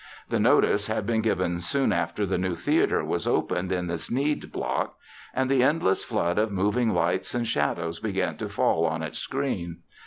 The notice had been given soon after the new theater was opened in the Sneed Block, and the endless flood of moving lights and shadows began to fall on its screen.